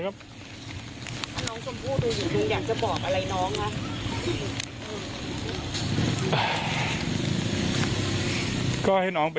ก็ตอบได้คำเดียวนะครับ